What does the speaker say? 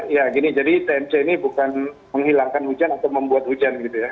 ya gini jadi tmc ini bukan menghilangkan hujan atau membuat hujan gitu ya